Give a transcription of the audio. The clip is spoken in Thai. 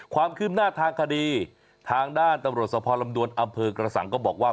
ความคืบหน้าทางคดีทางด้านตำรวจสภลำดวนอำเภอกระสังก็บอกว่า